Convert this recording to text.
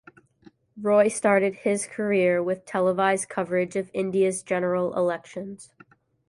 Roy started his career with televised coverage of India's general elections.